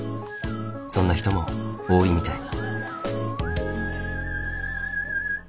そんな人も多いみたい。